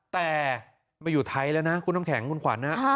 แต่มาอยู่ไทยแล้วนะคุณน้ำแข็งคุณขวัญนะ